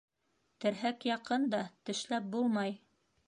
Терһәк яҡын да, тешләп булмай.